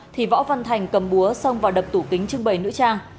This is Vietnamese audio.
thì võ văn thành cầm búa xong và đập tủ kính trưng bày nữ trang